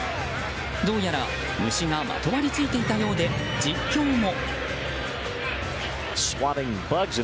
どうやら虫がまとわりついていたようで実況も。